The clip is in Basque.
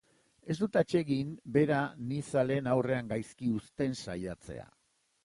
Ez dut atsegin bera ni zaleen aurrean gaizki uzten saiatzea.